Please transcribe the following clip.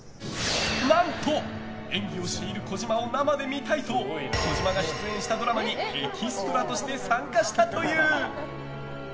何と、演技をしている児嶋を生で見たいと児嶋が出演したドラマにエキストラとして参加したという。